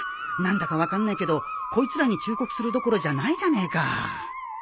何だか分かんないけどこいつらに忠告するどころじゃないじゃねえか